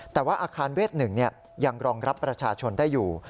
แต่ว่าอาคารเวท๑ยังรองรับประชาชนได้อยู่